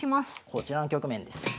こちらの局面です。